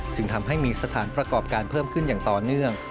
จึงทำให้มีสถานประกอบการเพิ่มขึ้นอย่างต่อเนื่อง